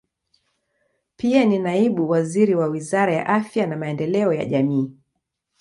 Pia ni naibu waziri wa Wizara ya Afya na Maendeleo ya Jamii.